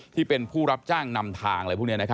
ที่เป็นผู้รับจ้างนำทาง